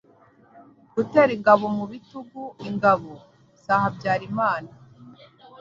gutera ingabo mu bitugu ingabo za Habyarimana